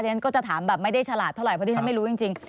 ฉันก็จะถามแบบไม่ได้ฉลาดเท่าไหเพราะที่ฉันไม่รู้จริง